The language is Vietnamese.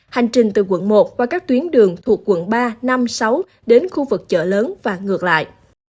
hành trình từ quận một qua các tuyến đường thuộc quận ba năm sáu đến khu vực chợ lớn và ngược lại